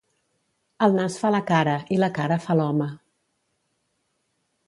El nas fa la cara i la cara fa l'home.